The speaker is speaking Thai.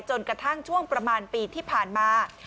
จนกระทั่งช่วงประมาณปีที่ผ่านมา